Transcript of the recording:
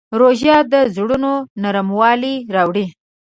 روژه د زړونو نرموالی راوړي.